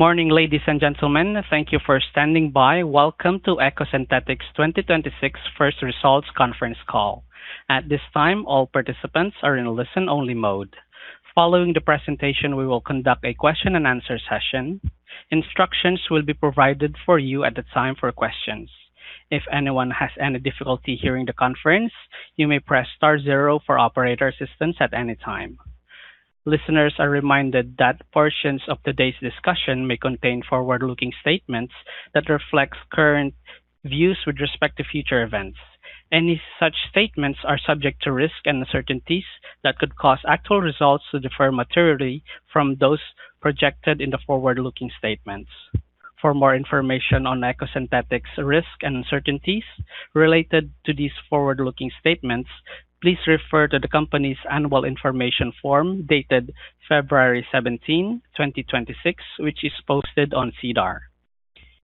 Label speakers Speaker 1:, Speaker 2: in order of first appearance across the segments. Speaker 1: Morning, ladies and gentlemen. Thank you for standing by. Welcome to EcoSynthetix 2026 first results conference call. At this time, all participants are in listen-only mode. Following the presentation, we will conduct a question-and-answer session. Instructions will be provided for you at the time for questions. If anyone has any difficulty hearing the conference, you may press star zero for operator assistance at any time. Listeners are reminded that portions of today's discussion may contain forward-looking statements that reflects current views with respect to future events. Any such statements are subject to risks and uncertainties that could cause actual results to differ materially from those projected in the forward-looking statements. For more information on EcoSynthetix risks and uncertainties related to these forward-looking statements, please refer to the company's annual information form dated February 17, 2026, which is posted on SEDAR.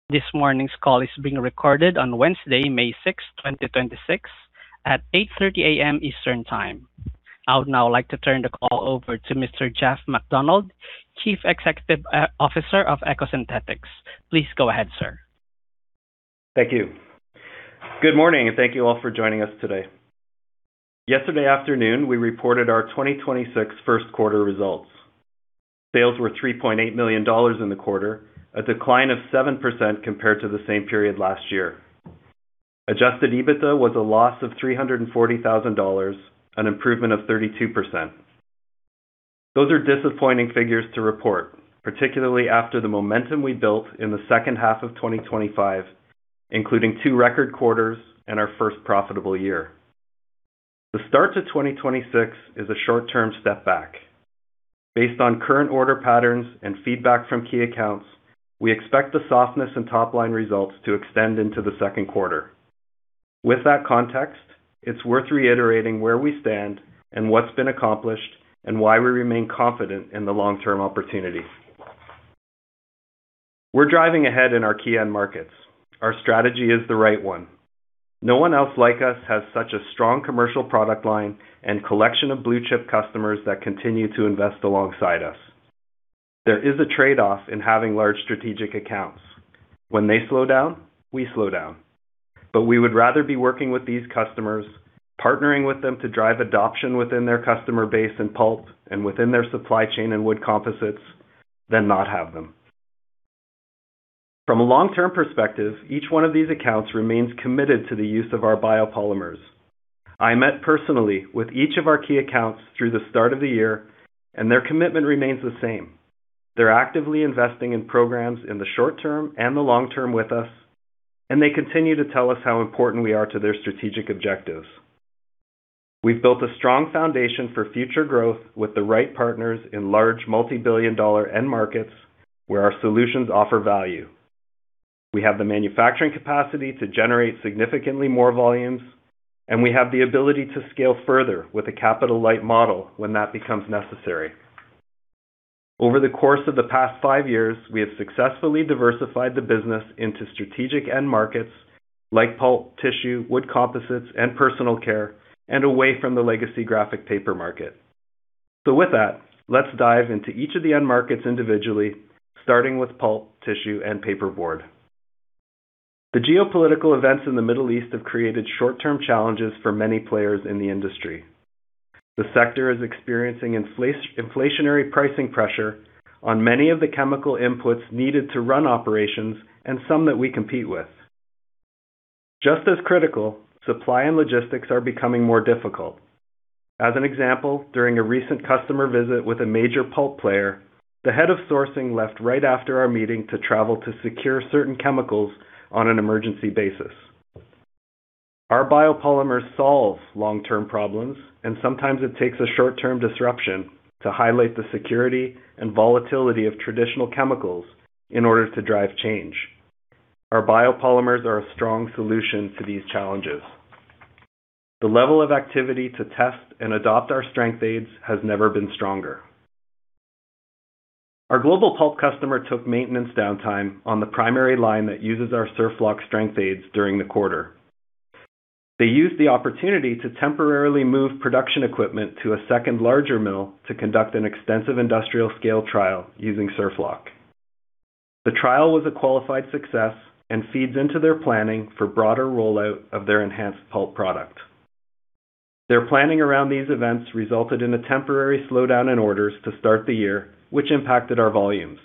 Speaker 1: This morning's call is being recorded on Wednesday, May 6th, 2026, at 8:30A.M. Eastern Time. I would now like to turn the call over to Mr. Jeff MacDonald, Chief Executive Officer of EcoSynthetix. Please go ahead, sir.
Speaker 2: Thank you. Good morning, thank you all for joining us today. Yesterday afternoon, we reported our 2026 first quarter results. Sales were 3.8 million dollars in the quarter, a decline of 7% compared to the same period last year. Adjusted EBITDA was a loss of 340,000 dollars, an improvement of 32%. Those are disappointing figures to report, particularly after the momentum we built in the second half of 2025, including two record quarters and our first profitable year. The start to 2026 is a short-term step back. Based on current order patterns and feedback from key accounts, we expect the softness in top-line results to extend into the second quarter. With that context, it's worth reiterating where we stand and what's been accomplished and why we remain confident in the long-term opportunity. We're driving ahead in our key end markets. Our strategy is the right one. No one else like us has such a strong commercial product line and collection of blue-chip customers that continue to invest alongside us. There is a trade-off in having large strategic accounts. When they slow down, we slow down. We would rather be working with these customers, partnering with them to drive adoption within their customer base in pulp and within their supply chain and wood composites than not have them. From a long-term perspective, each one of these accounts remains committed to the use of our biopolymers. I met personally with each of our key accounts through the start of the year, and their commitment remains the same. They're actively investing in programs in the short-term and the long-term with us, and they continue to tell us how important we are to their strategic objectives. We've built a strong foundation for future growth with the right partners in large multi-billion dollar end markets where our solutions offer value. We have the manufacturing capacity to generate significantly more volumes, and we have the ability to scale further with a capital-light model when that becomes necessary. Over the course of the past five years, we have successfully diversified the business into strategic end markets like pulp, tissue, wood composites, and personal care, and away from the legacy graphic paper market. With that, let's dive into each of the end markets individually, starting with pulp, tissue, and paperboard. The geopolitical events in the Middle East have created short-term challenges for many players in the industry. The sector is experiencing inflationary pricing pressure on many of the chemical inputs needed to run operations and some that we compete with. Just as critical, supply and logistics are becoming more difficult. As an example, during a recent customer visit with a major pulp player, the head of sourcing left right after our meeting to travel to secure certain chemicals on an emergency basis. Our biopolymer solves long-term problems, and sometimes it takes a short-term disruption to highlight the security and volatility of traditional chemicals in order to drive change. Our biopolymers are a strong solution to these challenges. The level of activity to test and adopt our strength aids has never been stronger. Our global pulp customer took maintenance downtime on the primary line that uses our SurfLock strength aids during the quarter. They used the opportunity to temporarily move production equipment to a second larger mill to conduct an extensive industrial scale trial using SurfLock. The trial was a qualified success and feeds into their planning for broader rollout of their enhanced pulp product. Their planning around these events resulted in a temporary slowdown in orders to start the year, which impacted our volumes.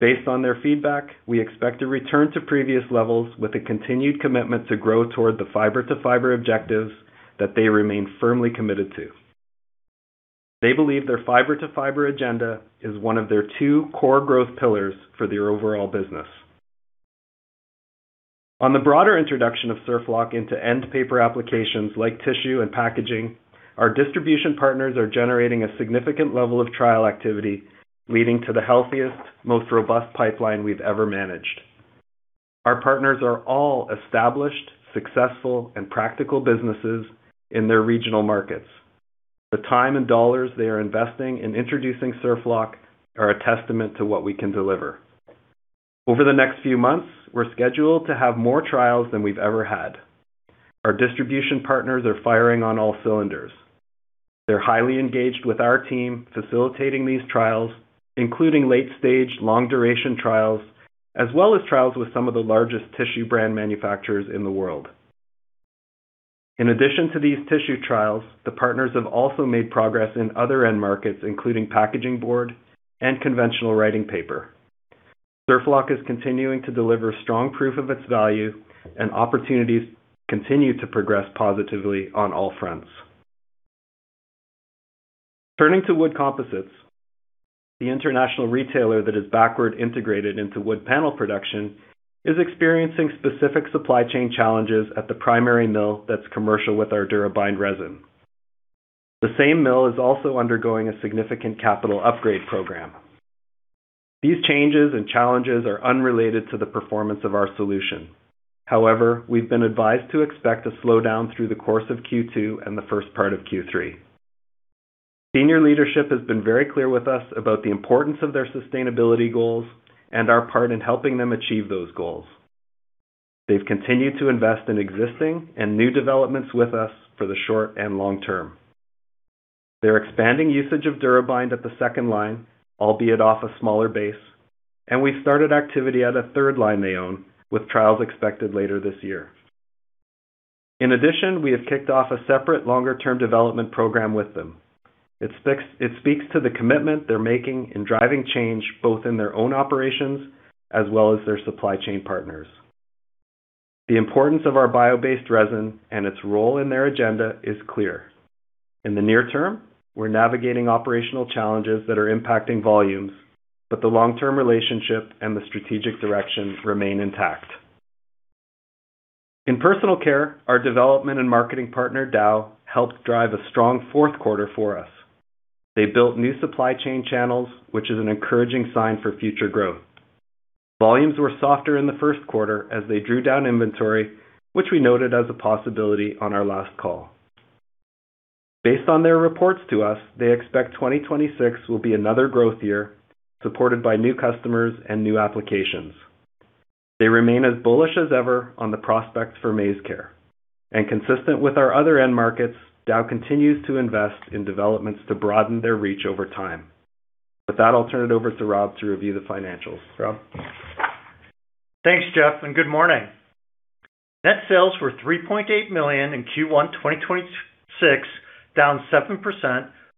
Speaker 2: Based on their feedback, we expect a return to previous levels with a continued commitment to grow toward the fiber-to-fiber objectives that they remain firmly committed to. They believe their fiber-to-fiber agenda is one of their two core growth pillars for their overall business. On the broader introduction of SurfLock into end paper applications like tissue and packaging, our distribution partners are generating a significant level of trial activity, leading to the healthiest, most robust pipeline we've ever managed. Our partners are all established, successful, and practical businesses in their regional markets. The time and dollars they are investing in introducing SurfLock are a testament to what we can deliver. Over the next few months, we're scheduled to have more trials than we've ever had. Our distribution partners are firing on all cylinders. They're highly engaged with our team facilitating these trials, including late-stage long-duration trials, as well as trials with some of the largest tissue brand manufacturers in the world. In addition to these tissue trials, the partners have also made progress in other end markets, including packaging board and conventional writing paper. SurfLock is continuing to deliver strong proof of its value and opportunities continue to progress positively on all fronts. Turning to wood composites, the international retailer that is backward integrated into wood panel production is experiencing specific supply chain challenges at the primary mill that's commercial with our DuraBind resin. The same mill is also undergoing a significant capital upgrade program. These changes and challenges are unrelated to the performance of our solution. However, we've been advised to expect a slowdown through the course of Q2 and the first part of Q3. Senior leadership has been very clear with us about the importance of their sustainability goals and our part in helping them achieve those goals. They've continued to invest in existing and new developments with us for the short- and long-term. They're expanding usage of DuraBind at the second line, albeit off a smaller base, and we've started activity at a third line they own, with trials expected later this year. We have kicked off a separate longer term development program with them. It speaks to the commitment they're making in driving change both in their own operations as well as their supply chain partners. The importance of our bio-based resin and its role in their agenda is clear. In the near-term, we're navigating operational challenges that are impacting volumes, the long-term relationship and the strategic direction remain intact. In personal care, our development and marketing partner, Dow, helped drive a strong fourth quarter for us. They built new supply chain channels, which is an encouraging sign for future growth. Volumes were softer in the first quarter as they drew down inventory, which we noted as a possibility on our last call. Based on their reports to us, they expect 2026 will be another growth year, supported by new customers and new applications. They remain as bullish as ever on the prospects for MaizeCare. Consistent with our other end markets, Dow continues to invest in developments to broaden their reach over time. With that, I'll turn it over to Rob to review the financials. Rob?
Speaker 3: Thanks, Jeff, and good morning. Net sales were 3.8 million in Q1 2026, down 7%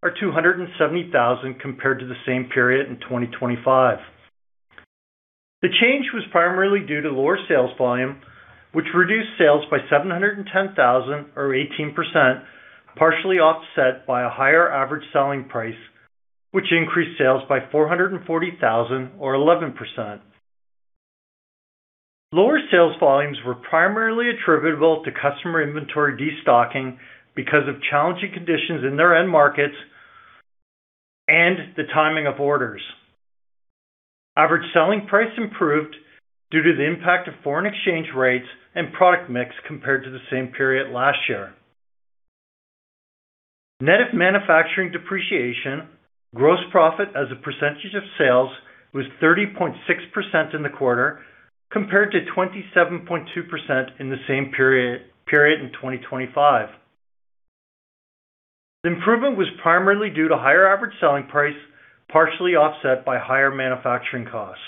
Speaker 3: or 270,000 compared to the same period in 2025. The change was primarily due to lower sales volume, which reduced sales by 710,000 or 18%, partially offset by a higher average selling price, which increased sales by 440,000 or 11%. Lower sales volumes were primarily attributable to customer inventory destocking because of challenging conditions in their end markets and the timing of orders. Average selling price improved due to the impact of foreign exchange rates and product mix compared to the same period last year. Net of manufacturing depreciation, gross profit as a percentage of sales was 30.6% in the quarter, compared to 27.2% in the same period in 2025. The improvement was primarily due to higher average selling price, partially offset by higher manufacturing costs.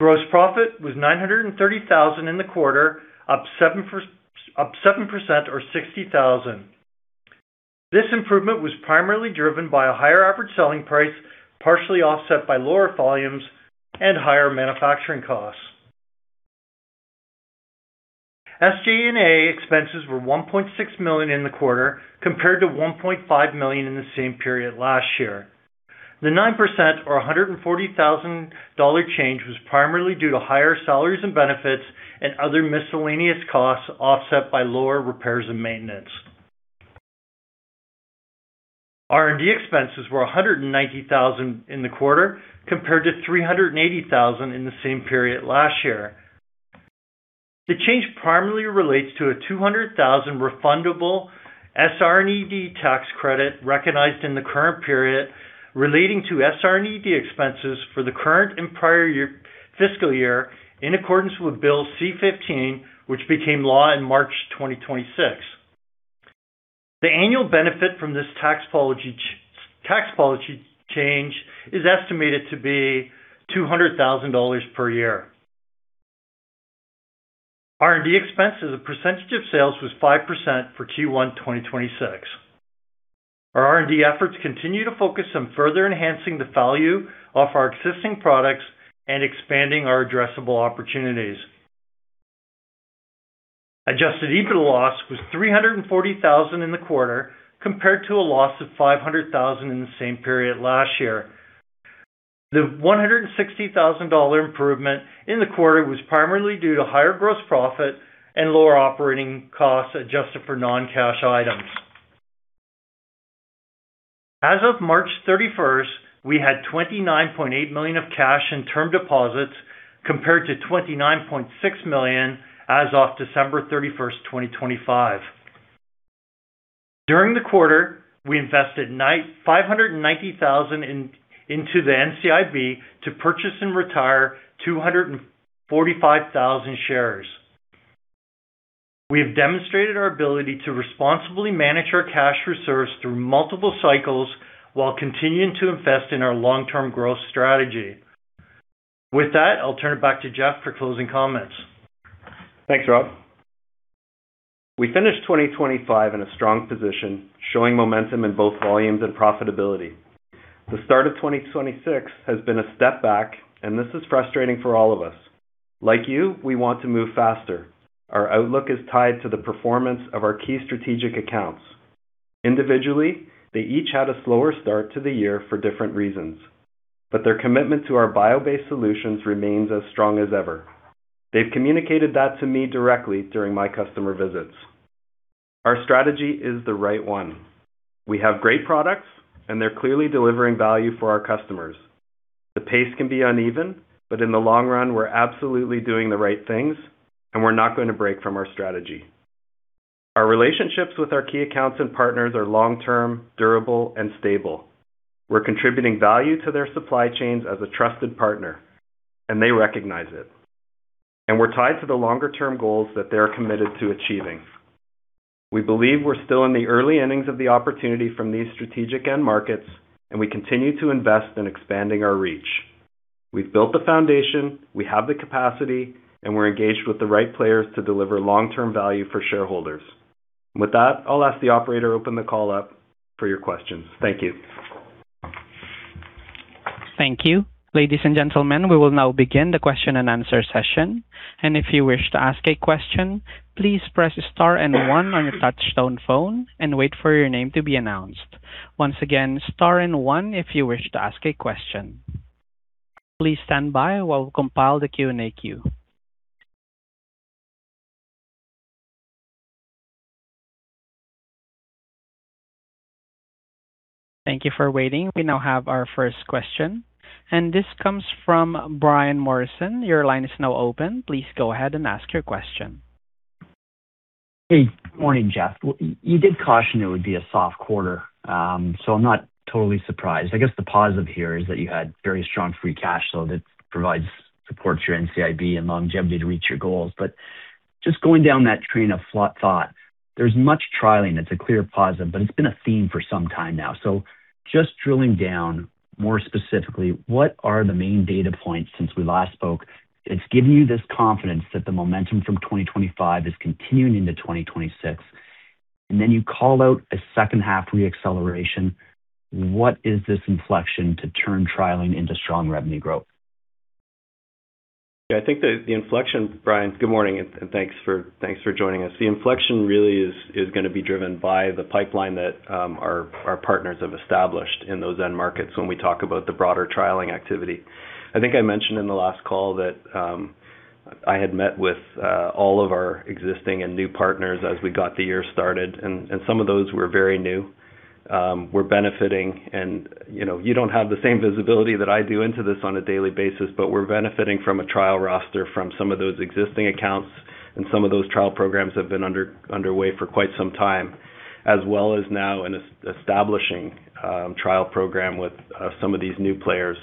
Speaker 3: Gross profit was 930,000 in the quarter, up 7% or 60,000. This improvement was primarily driven by a higher average selling price, partially offset by lower volumes and higher manufacturing costs. SG&A expenses were 1.6 million in the quarter, compared to 1.5 million in the same period last year. The 9% or 140,000 dollar change was primarily due to higher salaries and benefits and other miscellaneous costs offset by lower repairs and maintenance. R&D expenses were 190,000 in the quarter, compared to 380,000 in the same period last year. The change primarily relates to a 200,000 refundable SR&ED tax credit recognized in the current period relating to SR&ED expenses for the current and prior year fiscal year in accordance with Bill C-50, which became law in March 2026. The annual benefit from this tax policy change is estimated to be 200,000 dollars per year. R&D expense as a percentage of sales was 5% for Q1 2026. Our R&D efforts continue to focus on further enhancing the value of our existing products and expanding our addressable opportunities. Adjusted EBITDA loss was 340,000 in the quarter, compared to a loss of 500,000 in the same period last year. The 160,000 dollar improvement in the quarter was primarily due to higher gross profit and lower operating costs adjusted for non-cash items. As of March 31st, we had 29.8 million of cash and term deposits, compared to 29.6 million as of December 31, 2025. During the quarter, we invested 590,000 into the NCIB to purchase and retire 245,000 shares. We have demonstrated our ability to responsibly manage our cash reserves through multiple cycles while continuing to invest in our long-term growth strategy. With that, I'll turn it back to Jeff for closing comments.
Speaker 2: Thanks, Rob. We finished 2025 in a strong position, showing momentum in both volumes and profitability. The start of 2026 has been a step back, and this is frustrating for all of us. Like you, we want to move faster. Our outlook is tied to the performance of our key strategic accounts. Individually, they each had a slower start to the year for different reasons, but their commitment to our bio-based solutions remains as strong as ever. They've communicated that to me directly during my customer visits. Our strategy is the right one. We have great products, and they're clearly delivering value for our customers. The pace can be uneven, but in the long run, we're absolutely doing the right things, and we're not going to break from our strategy. Our relationships with our key accounts and partners are long-term, durable, and stable. We're contributing value to their supply chains as a trusted partner, and they recognize it. We're tied to the longer-term goals that they're committed to achieving. We believe we're still in the early innings of the opportunity from these strategic end markets, and we continue to invest in expanding our reach. We've built the foundation, we have the capacity, and we're engaged with the right players to deliver long-term value for shareholders. With that, I'll ask the operator to open the call up for your questions. Thank you.
Speaker 1: Thank you. Ladies and gentlemen, we will now begin the question-and-answer session. Thank you for waiting. We now have our first question. This comes from Brian Morrison.
Speaker 4: Hey, good morning, Jeff. Well, you did caution it would be a soft quarter. I'm not totally surprised. I guess the positive here is that you had very strong free cash flow that provides support to your NCIB and longevity to reach your goals. Just going down that train of thought, there's much trialing. It's a clear positive, but it's been a theme for some time now. Just drilling down more specifically, what are the main data points since we last spoke that's given you this confidence that the momentum from 2025 is continuing into 2026? You called out a second half re-acceleration. What is this inflection to turn trialing into strong revenue growth?
Speaker 2: Yeah, I think the inflection, Brian. Good morning, and thanks for joining us. The inflection really is gonna be driven by the pipeline that our partners have established in those end markets when we talk about the broader trialing activity. I think I mentioned in the last call that I had met with all of our existing and new partners as we got the year started and some of those were very new. We're benefiting and, you know, you don't have the same visibility that I do into this on a daily basis, but we're benefiting from a trial roster from some of those existing accounts, and some of those trial programs have been underway for quite some time, as well as now in establishing trial program with some of these new players.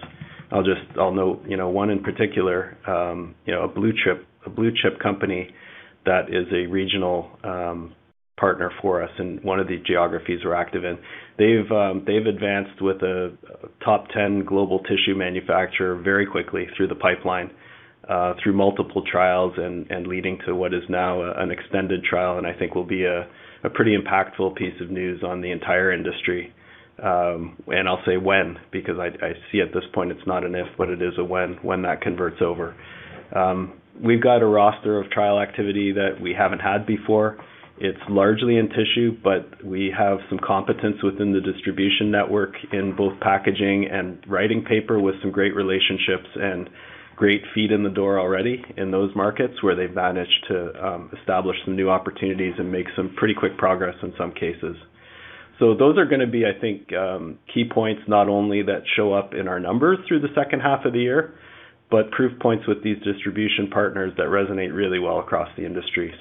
Speaker 2: I'll note, you know, one in particular, you know, a blue chip, a blue chip company that is a regional partner for us in one of the geographies we're active in. They've advanced with a top 10 global tissue manufacturer very quickly through the pipeline, through multiple trials and leading to what is now an extended trial and I think will be a pretty impactful piece of news on the entire industry. I'll say when, because I see at this point it's not an if, but it is a when that converts over. We've got a roster of trial activity that we haven't had before. It's largely in tissue, but we have some competence within the distribution network in both packaging and writing paper with some great relationships and great feet in the door already in those markets where they've managed to establish some new opportunities and make some pretty quick progress in some cases. Those are gonna be, I think, key points, not only that show up in our numbers through the second half of the year, but proof points with these distribution partners that resonate really well across the industry.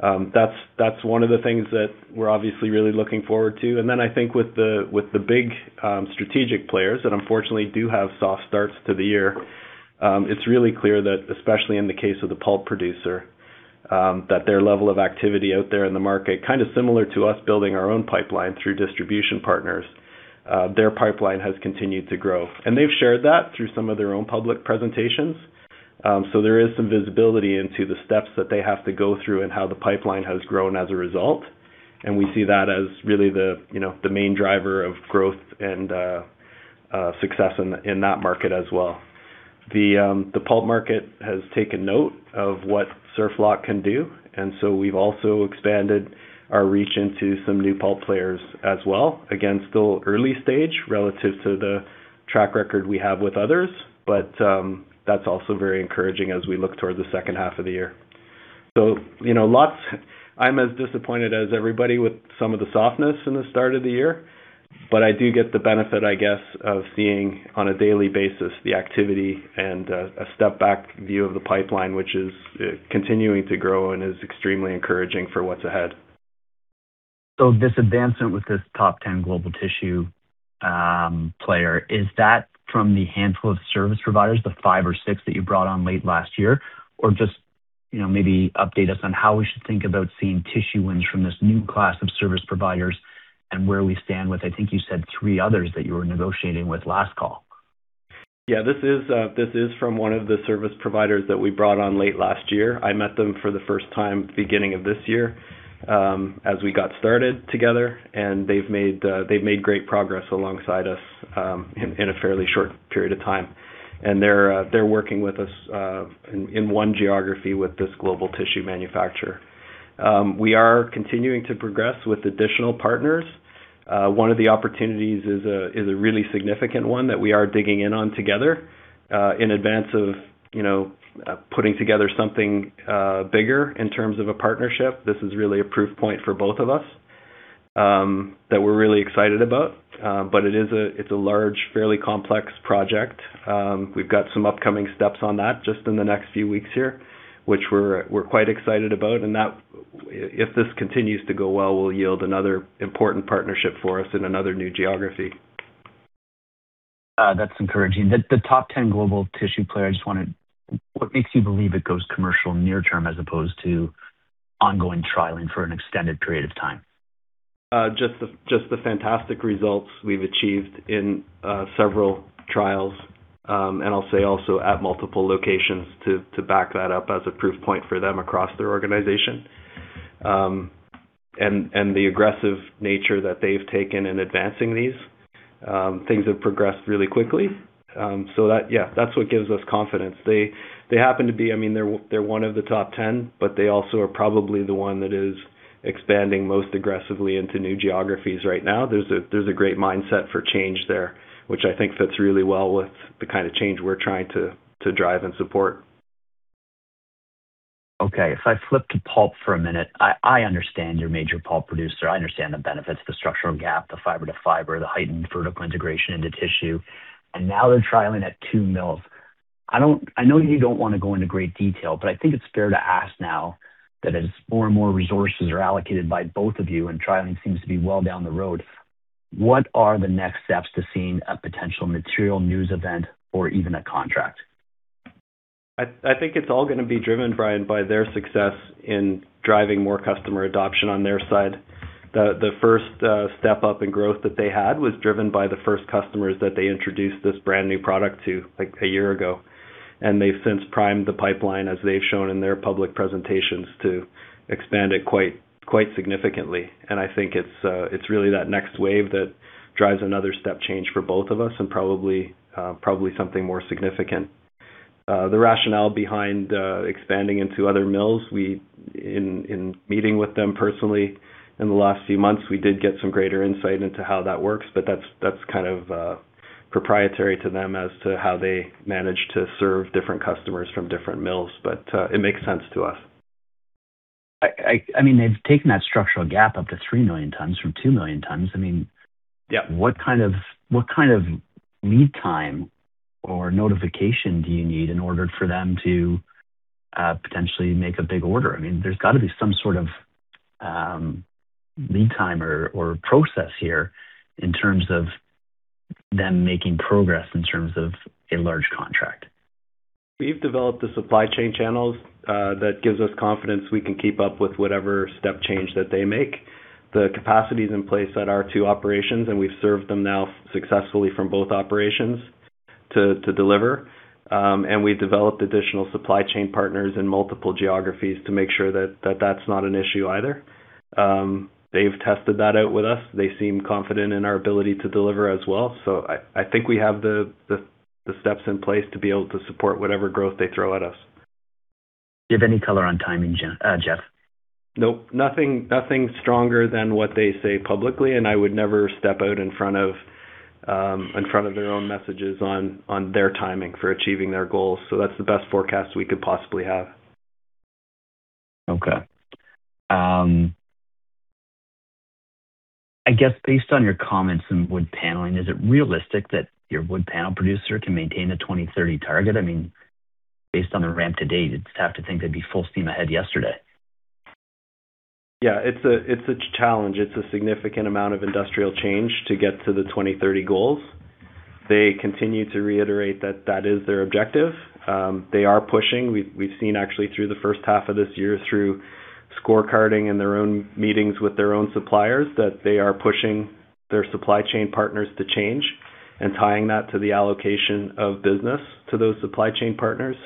Speaker 2: That's, that's one of the things that we're obviously really looking forward to. I think with the, with the big strategic players that unfortunately do have soft starts to the year, it's really clear that especially in the case of the pulp producer, that their level of activity out there in the market, kind of similar to us building our own pipeline through distribution partners, their pipeline has continued to grow. They've shared that through some of their own public presentations. There is some visibility into the steps that they have to go through and how the pipeline has grown as a result. We see that as really the, you know, the main driver of growth and success in that market as well. The pulp market has taken note of what SurfLock can do, and so we've also expanded our reach into some new pulp players as well. Again, still early stage relative to the track record we have with others, but, that's also very encouraging as we look toward the second half of the year. You know, I'm as disappointed as everybody with some of the softness in the start of the year. I do get the benefit, I guess, of seeing on a daily basis the activity and, a step back view of the pipeline, which is, continuing to grow and is extremely encouraging for what's ahead.
Speaker 4: This advancement with this top 10 global tissue player, is that from the handful of service providers, the five or six that you brought on late last year? Or just, you know, maybe update us on how we should think about seeing tissue wins from this new class of service providers and where we stand with, I think you said three others that you were negotiating with last call.
Speaker 2: This is from one of the service providers that we brought on late last year. I met them for the first time beginning of this year, as we got started together, and they've made great progress alongside us in a fairly short period of time. They're working with us in one geography with this global tissue manufacturer. We are continuing to progress with additional partners. One of the opportunities is a really significant one that we are digging in on together in advance of, you know, putting together something bigger in terms of a partnership. This is really a proof point for both of us that we're really excited about. It's a large, fairly complex project. We've got some upcoming steps on that just in the next few weeks here, which we're quite excited about. That, if this continues to go well, will yield another important partnership for us in another new geography.
Speaker 4: That's encouraging. The top 10 global tissue player, what makes you believe it goes commercial near term as opposed to ongoing trialing for an extended period of time?
Speaker 2: Just the fantastic results we've achieved in several trials, and I'll say also at multiple locations to back that up as a proof point for them across their organization. The aggressive nature that they've taken in advancing these, things have progressed really quickly. That, yeah, that's what gives us confidence. They happen to be I mean, they're one of the top 10, but they also are probably the one that is expanding most aggressively into new geographies right now. There's a great mindset for change there, which I think fits really well with the kind of change we're trying to drive and support.
Speaker 4: Okay. If I flip to pulp for a minute, I understand your major pulp producer. I understand the benefits, the structural gap, the fiber-to-fiber, the heightened vertical integration into tissue, and now they're trialing at two mills. I know you don't wanna go into great detail, but I think it's fair to ask now that as more and more resources are allocated by both of you and trialing seems to be well down the road, what are the next steps to seeing a potential material news event or even a contract?
Speaker 2: I think it's all going to be driven, Brian, by their success in driving more customer adoption on their side. The first step up in growth that they had was driven by the first customers that they introduced this brand new product to like a year ago. They've since primed the pipeline, as they've shown in their public presentations, to expand it quite significantly. I think it's really that next wave that drives another step change for both of us and probably something more significant. The rationale behind expanding into other mills, we in meeting with them personally in the last few months, we did get some greater insight into how that works, that's kind of proprietary to them as to how they manage to serve different customers from different mills. It makes sense to us.
Speaker 4: I mean, they've taken that structural gap up to three million tons from two million tons.
Speaker 2: Yeah
Speaker 4: What kind of lead time or notification do you need in order for them to potentially make a big order? I mean, there's got to be some sort of lead time or process here in terms of them making progress in terms of a large contract.
Speaker 2: We've developed the supply chain channels, that gives us confidence we can keep up with whatever step change that they make. The capacity's in place at our two operations, and we've served them now successfully from both operations to deliver. And we've developed additional supply chain partners in multiple geographies to make sure that that's not an issue either. They've tested that out with us. They seem confident in our ability to deliver as well. I think we have the steps in place to be able to support whatever growth they throw at us.
Speaker 4: Do you have any color on timing, Jeff?
Speaker 2: Nope. Nothing, nothing stronger than what they say publicly, and I would never step out in front of their own messages on their timing for achieving their goals. That's the best forecast we could possibly have.
Speaker 4: Okay. I guess based on your comments in wood paneling, is it realistic that your wood panel producer can maintain the 2030 target? I mean, based on the ramp to date, you'd have to think they'd be full steam ahead yesterday.
Speaker 2: It's a challenge. It's a significant amount of industrial change to get to the 2030 goals. They are pushing. We've seen actually through the firstt half of this year through scorecarding and their own meetings with their own suppliers that they are pushing their supply chain partners to change and tying that to the allocation of business to those supply chain partners.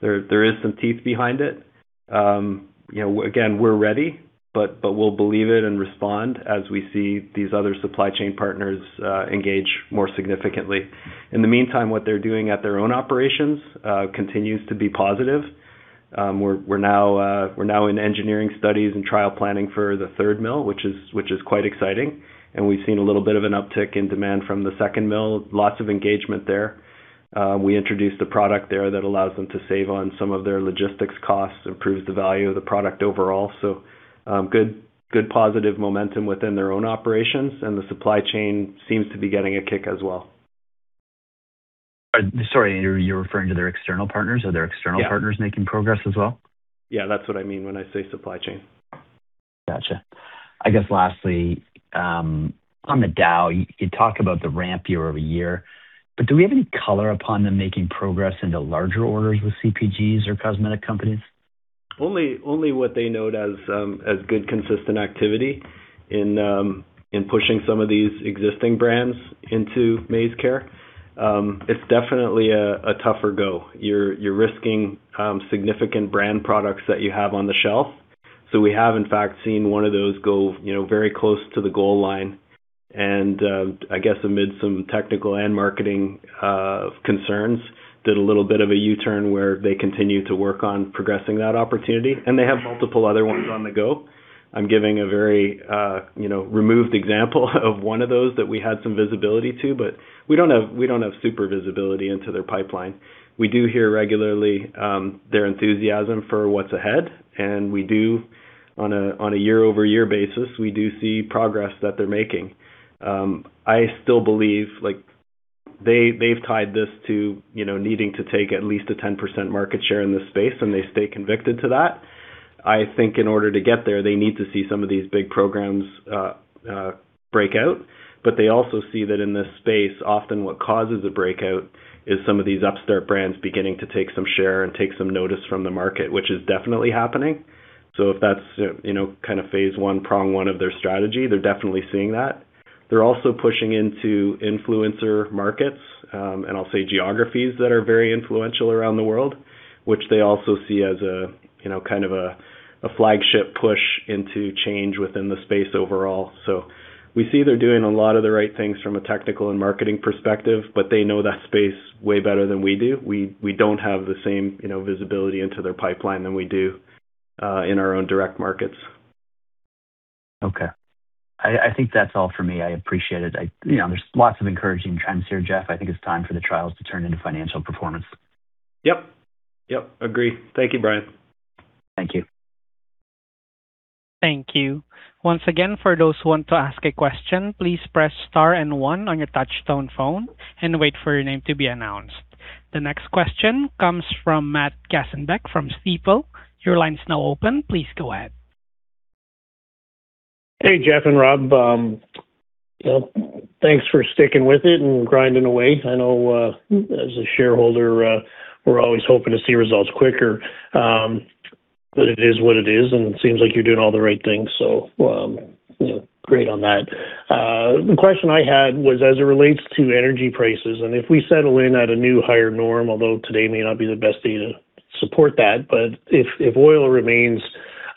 Speaker 2: There is some teeth behind it. You know, again, we're ready, but we'll believe it and respond as we see these other supply chain partners engage more significantly. In the meantime, what they're doing at their own operations continues to be positive. We're now in engineering studies and trial planning for the third mill, which is quite exciting. We've seen a little bit of an uptick in demand from the second mill. Lots of engagement there. We introduced a product there that allows them to save on some of their logistics costs, improves the value of the product overall. Good positive momentum within their own operations, and the supply chain seems to be getting a kick as well.
Speaker 4: Sorry, you're referring to their external partners?
Speaker 2: Yeah
Speaker 4: partners making progress as well?
Speaker 2: Yeah, that's what I mean when I say supply chain.
Speaker 4: Gotcha. I guess lastly, on the Dow, you talk about the ramp year-over-year, do we have any color upon them making progress into larger orders with CPGs or cosmetic companies?
Speaker 2: Only what they note as good consistent activity in pushing some of these existing brands into MaizeCare. It's definitely a tougher go. You're risking significant brand products that you have on the shelf. We have in fact seen one of those go, you know, very close to the goal line and I guess amid some technical and marketing concerns, did a little bit of a U-turn where they continue to work on progressing that opportunity, and they have multiple other ones on the go. I'm giving a very, you know, removed example of one of those that we had some visibility to, but we don't have super visibility into their pipeline. We do hear regularly, their enthusiasm for what's ahead, and we do on a, on a year-over-year basis, we do see progress that they're making. I still believe, like they've tied this to, you know, needing to take at least a 10% market share in this space, and they stay convicted to that. I think in order to get there, they need to see some of these big programs, break out. But they also see that in this space, often what causes a breakout is some of these upstart brands beginning to take some share and take some notice from the market, which is definitely happening. So if that's, you know, kind of phase 1, prong 1 of their strategy, they're definitely seeing that. They're also pushing into influencer markets, and I'll say geographies that are very influential around the world, which they also see as a, you know, kind of a flagship push into change within the space overall. We see they're doing a lot of the right things from a technical and marketing perspective, but they know that space way better than we do. We don't have the same, you know, visibility into their pipeline than we do in our own direct markets.
Speaker 4: Okay. I think that's all for me. I appreciate it. You know, there's lots of encouraging trends here, Jeff. I think it's time for the trials to turn into financial performance.
Speaker 2: Yep. Yep. Agree. Thank you, Brian.
Speaker 4: Thank you.
Speaker 1: Thank you. Once again, for those who want to ask a question, please press star one on your touch-tone phone and wait for your name to be announced. The next question comes from Matt Gaasenbeek from Stifel. Your line's now open. Please go ahead.
Speaker 5: Hey, Jeff and Rob. Well, thanks for sticking with it and grinding away. I know, as a shareholder, we're always hoping to see results quicker. It is what it is, and it seems like you're doing all the right things, so, you know, great on that. The question I had was as it relates to energy prices, if we settle in at a new higher norm, although today may not be the best day to support that. If oil remains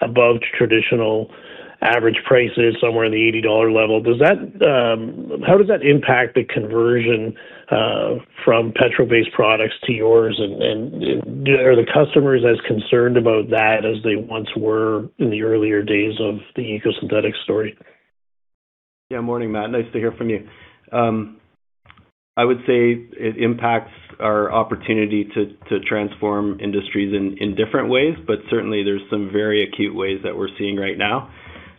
Speaker 5: above traditional average prices somewhere in the 80 dollar level, does that How does that impact the conversion from petrol-based products to yours? Are the customers as concerned about that as they once were in the earlier days of the EcoSynthetix story?
Speaker 2: Yeah. Morning, Matt. Nice to hear from you. I would say it impacts our opportunity to transform industries in different ways, but certainly there's some very acute ways that we're seeing right now.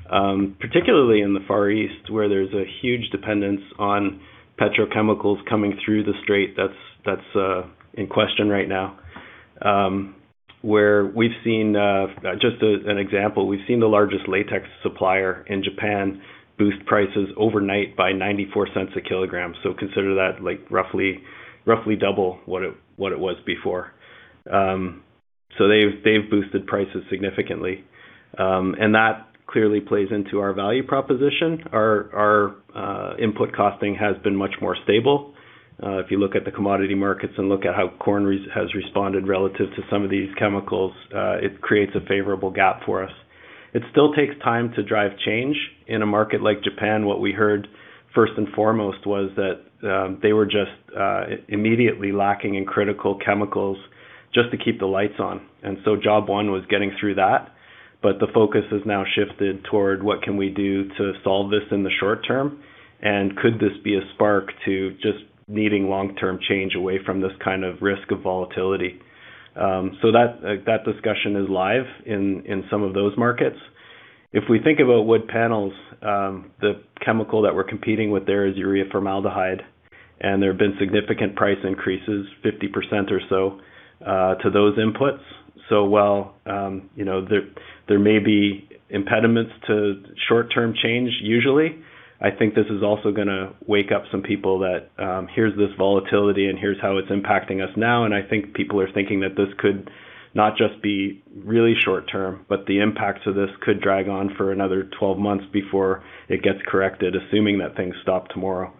Speaker 2: Particularly in the Far East, where there's a huge dependence on petrochemicals coming through the strait that's in question right now. Where we've seen, just an example, we've seen the largest latex supplier in Japan boost prices overnight by 0.94 a kilogram. Consider that like roughly double what it was before. They've boosted prices significantly. That clearly plays into our value proposition. Our input costing has been much more stable. If you look at the commodity markets and look at how corn has responded relative to some of these chemicals, it creates a favorable gap for us. It still takes time to drive change. In a market like Japan, what we heard first and foremost was that they were just immediately lacking in critical chemicals just to keep the lights on. Job one was getting through that, but the focus has now shifted toward what can we do to solve this in the short term, and could this be a spark to just needing long-term change away from this kind of risk of volatility? Like that discussion is live in some of those markets. If we think about wood panels, the chemical that we're competing with there is urea-formaldehyde, and there have been significant price increases, 50% or so, to those inputs. While, you know, there may be impediments to short-term change usually, I think this is also gonna wake up some people that, here's this volatility and here's how it's impacting us now. I think people are thinking that this could not just be really short-term, but the impacts of this could drag on for another 12 months before it gets corrected, assuming that things stop tomorrow.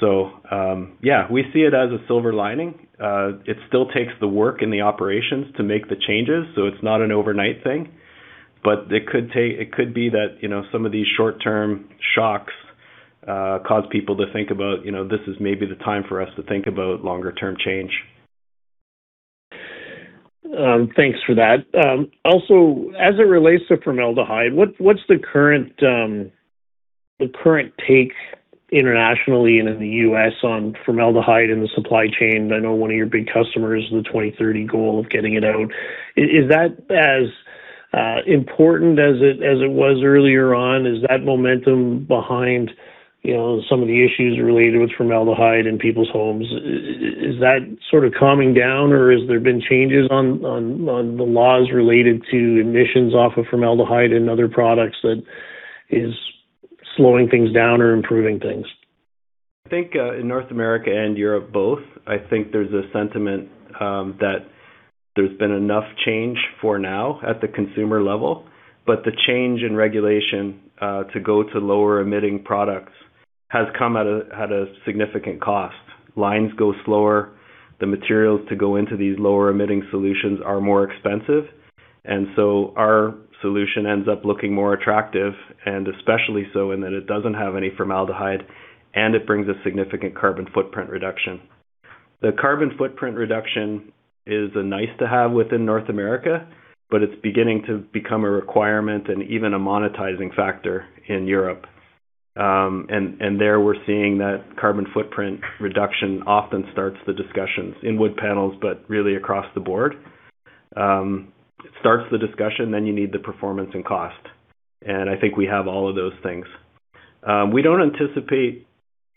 Speaker 2: Yeah, we see it as a silver lining. It still takes the work in the operations to make the changes, so it's not an overnight thing. It could be that, you know, some of these short-term shocks cause people to think about, you know, this is maybe the time for us to think about longer term change.
Speaker 5: Thanks for that. Also as it relates to formaldehyde, what's the current, the current take internationally and in the U.S. on formaldehyde in the supply chain? I know one of your big customers, the 2030 goal of getting it out. Is that important as it was earlier on, is that momentum behind, you know, some of the issues related with formaldehyde in people's homes, is that sort of calming down or has there been changes on the laws related to emissions off of formaldehyde and other products that is slowing things down or improving things?
Speaker 2: I think, in North America and Europe both, I think there's a sentiment that there's been enough change for now at the consumer level. The change in regulation to go to lower emitting products has come at a significant cost. Lines go slower. The materials to go into these lower emitting solutions are more expensive. Our solution ends up looking more attractive and especially so in that it doesn't have any formaldehyde and it brings a significant carbon footprint reduction. The carbon footprint reduction is a nice to have within North America, but it's beginning to become a requirement and even a monetizing factor in Europe. There we're seeing that carbon footprint reduction often starts the discussions in wood panels, but really across the board. Starts the discussion, then you need the performance and cost. I think we have all of those things. We don't anticipate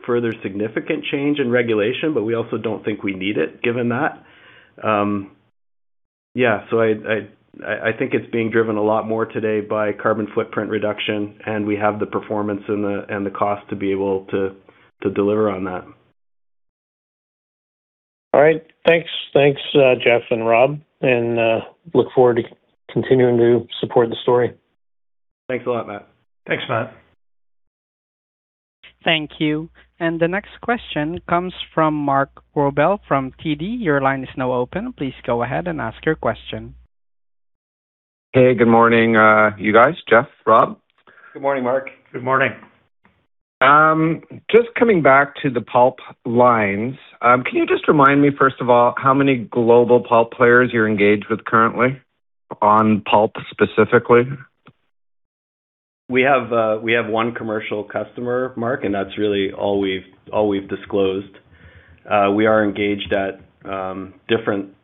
Speaker 2: further significant change in regulation, but we also don't think we need it, given that. Yeah, so I, I think it's being driven a lot more today by carbon footprint reduction, and we have the performance and the, and the cost to be able to deliver on that.
Speaker 5: All right. Thanks. Thanks, Jeff and Rob, and look forward to continuing to support the story.
Speaker 2: Thanks a lot, Matt.
Speaker 3: Thanks, Matt.
Speaker 1: Thank you. The next question comes from Mark Rabelle from TD. Your line is now open. Please go ahead and ask your question.
Speaker 6: Hey, good morning, you guys. Jeff, Rob.
Speaker 2: Good morning, Mark.
Speaker 3: Good morning.
Speaker 6: Just coming back to the pulp lines. Can you just remind me, first of all, how many global pulp players you're engaged with currently on pulp specifically?
Speaker 2: We have, we have one commercial customer, Mark, that's really all we've disclosed. We are engaged at different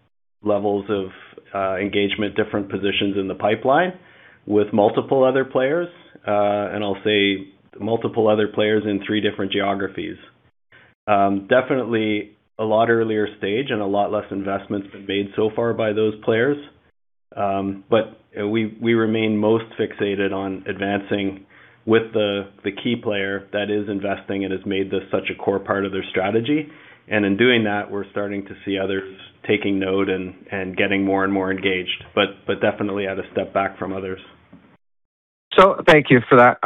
Speaker 2: levels of engagement, different positions in the pipeline with multiple other players. I'll say multiple other players in three different geographies. Definitely a lot earlier stage and a lot less investments been made so far by those players. We remain most fixated on advancing with the key player that is investing and has made this such a core part of their strategy. In doing that, we're starting to see others taking note and getting more and more engaged, but definitely at a step back from others.
Speaker 6: Thank you for that.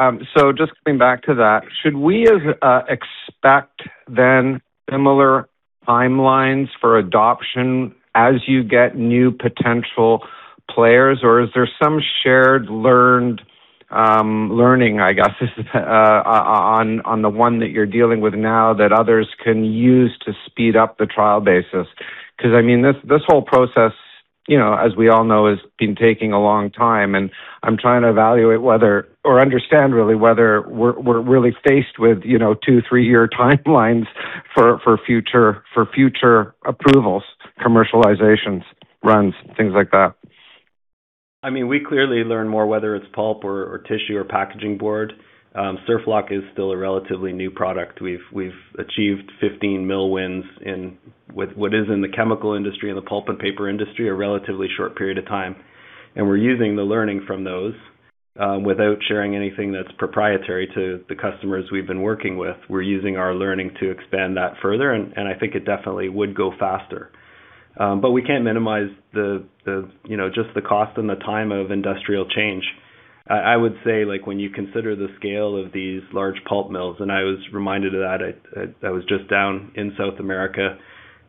Speaker 6: Just coming back to that, should we expect then similar timelines for adoption as you get new potential players, or is there some shared learned learning, I guess, on the one that you're dealing with now that others can use to speed up the trial basis? I mean, this whole process, you know, as we all know, has been taking a long time, and I'm trying to evaluate whether or understand really whether we're really faced with, you know, two, three-year timelines for future approvals, commercializations, runs, things like that?
Speaker 2: I mean, we clearly learn more whether it's pulp or tissue or packaging board. SurfLock is still a relatively new product. We've achieved 15 mill wins in with what is in the chemical industry and the pulp and paper industry, a relatively short period of time. We're using the learning from those, without sharing anything that's proprietary to the customers we've been working with. We're using our learning to expand that further, and I think it definitely would go faster. We can't minimize the, you know, just the cost and the time of industrial change. I would say, like, when you consider the scale of these large pulp mills, and I was reminded of that. I was just down in South America,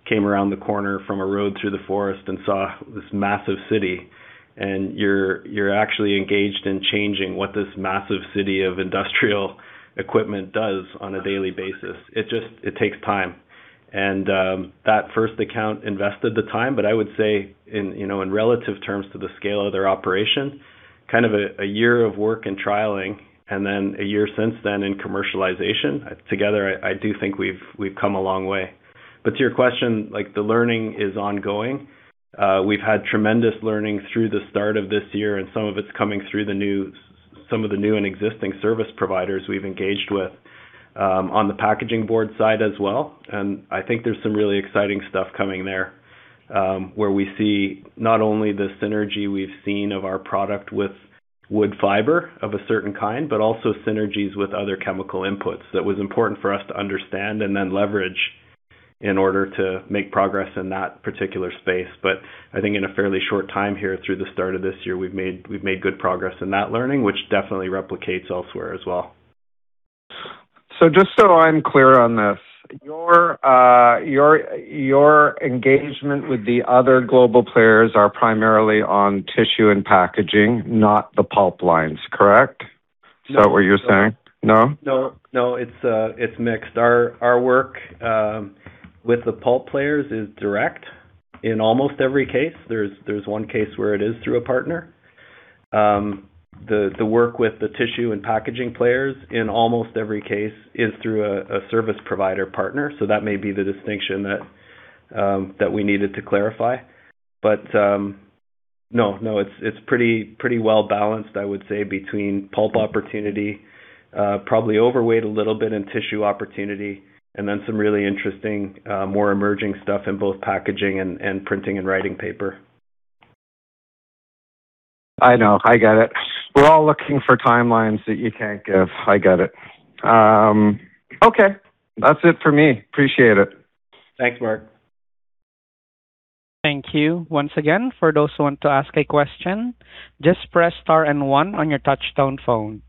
Speaker 2: came around the corner from a road through the forest and saw this massive city, and you're actually engaged in changing what this massive city of industrial equipment does on a daily basis. It takes time. That first account invested the time, but I would say in, you know, in relative terms to the scale of their operation, kind of a year of work and trialing and then a year since then in commercialization. Together, I do think we've come a long way. To your question, like, the learning is ongoing. We've had tremendous learning through the start of this year, and some of it's coming through some of the new and existing service providers we've engaged with on the packaging board side as well. I think there's some really exciting stuff coming there, where we see not only the synergy we've seen of our product with wood fiber of a certain kind, but also synergies with other chemical inputs that was important for us to understand and then leverage in order to make progress in that particular space. I think in a fairly short time here through the start of this year, we've made good progress in that learning, which definitely replicates elsewhere as well.
Speaker 6: Just so I'm clear on this, your engagement with the other global players are primarily on tissue and packaging, not the pulp lines, correct?
Speaker 2: No.
Speaker 6: Is that what you're saying? No?
Speaker 2: No. No, it's mixed. Our work with the pulp players is direct in almost every case. There's one case where it is through a partner. The work with the tissue and packaging players in almost every case is through a service provider partner. That may be the distinction that we needed to clarify. No, it's pretty well-balanced, I would say, between pulp opportunity, probably overweight a little bit in tissue opportunity, and then some really interesting, more emerging stuff in both packaging and printing and writing paper.
Speaker 6: I know. I get it. We're all looking for timelines that you can't give. I get it. Okay. That's it for me. Appreciate it.
Speaker 2: Thanks, Mark.
Speaker 1: Thank you once again. For those who want to ask a question, just press star one on your touch-tone phone.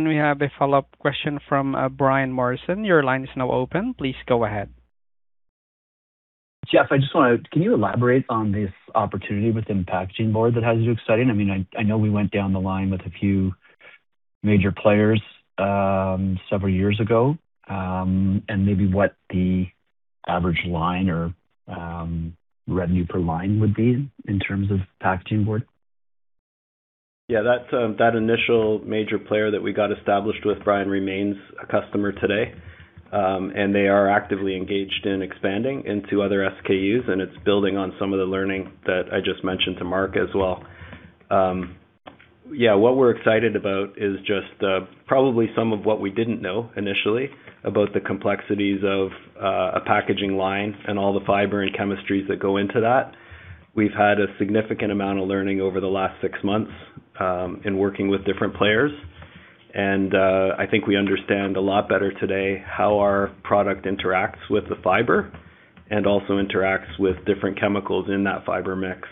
Speaker 1: We have a follow-up question from Brian Morrison. Your line is now open. Please go ahead.
Speaker 4: Jeff, can you elaborate on this opportunity within packaging board that has you excited? I mean, I know we went down the line with a few major players several years ago, and maybe what the average line or revenue per line would be in terms of packaging board.
Speaker 2: That, that initial major player that we got established with Brian remains a customer today. They are actively engaged in expanding into other SKUs, and it's building on some of the learning that I just mentioned to Mark as well. What we're excited about is just, probably some of what we didn't know initially about the complexities of, a packaging line and all the fiber and chemistries that go into that. We've had a significant amount of learning over the last six months, in working with different players. I think we understand a lot better today how our product interacts with the fiber and also interacts with different chemicals in that fiber mix.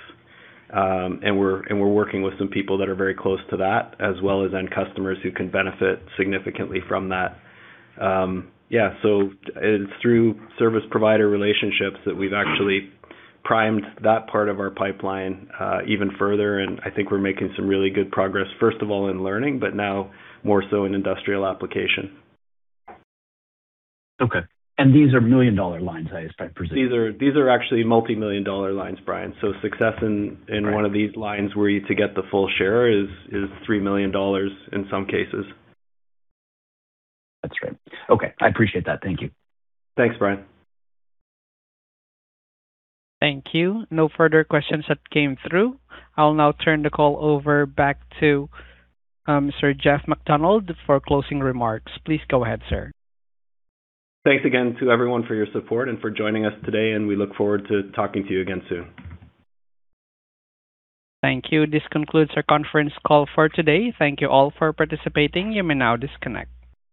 Speaker 2: We're working with some people that are very close to that, as well as end customers who can benefit significantly from that. Yeah. It's through service provider relationships that we've actually primed that part of our pipeline, even further, and I think we're making some really good progress, first of all, in learning, but now more so in industrial application.
Speaker 4: Okay. These are million-dollar lines, I presume.
Speaker 2: These are actually multimillion-dollar lines, Brian. Success in one of these lines where you to get the full share is 3 million dollars in some cases.
Speaker 4: That's great. Okay. I appreciate that. Thank you.
Speaker 2: Thanks, Brian.
Speaker 1: Thank you. No further questions that came through. I'll now turn the call over back to Jeff MacDonald for closing remarks. Please go ahead, sir.
Speaker 2: Thanks again to everyone for your support and for joining us today, and we look forward to talking to you again soon.
Speaker 1: Thank you. This concludes our conference call for today. Thank you all for participating. You may now disconnect.